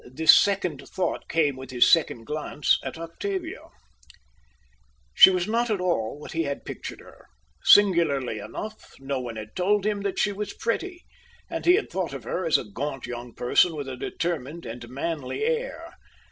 This second thought came with his second glance at Octavia. She was not at all what he had pictured her. Singularly enough, no one had told him that she was pretty; and he had thought of her as a gaunt young person, with a determined and manly air.